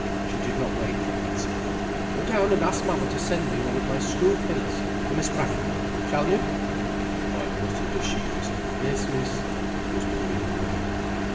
She did not wait for an answer. "Go down and ask mamma to send me one of my school pinas, for Miss Brangwen—shall you?" The boy muttered a sheepish "Yes, miss," and was moving away.